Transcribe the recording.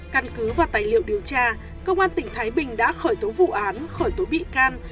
căn cứ và tài liệu điều tra công an tỉnh thái bình đã khởi tố vụ án khởi tố bị can